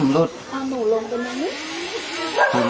นี่เห็นจริงตอนนี้ต้องซื้อ๖วัน